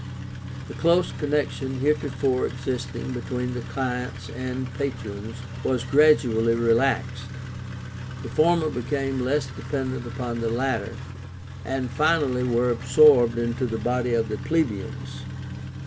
The close connection heretofore existing between the clients and patrons was gradually relaxed, the former became less dependent upon the latter, and finally were absorbed into the body of the plebeians.